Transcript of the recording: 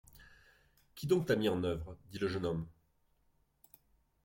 Qui donc t’a mis en œuvre? dit le jeune homme.